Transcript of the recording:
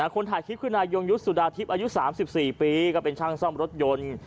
คนถ่ายคลิปคือนายยงยุทธ์สุดาทิพย์อายุ๓๔ปีก็เป็นช่างซ่อมรถยนต์